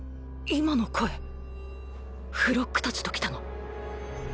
今の声フロックたちと来たの？